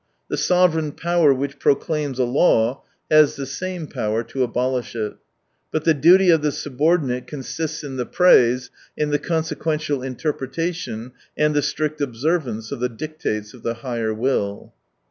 The sovereign power which proclaims a law has the same power to abolish it. But the duty of the subordinate consists' in the praise, in the consequential interpretation and the strict observance of the dictates of the higher will.